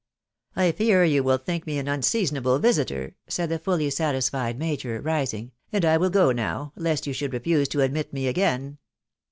" I fear you will think me an unseasonable visiter," said the fully satisfied major, rising, "and I will go now, lest you should refuse to admit me again."